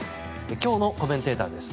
今日のコメンテーターです。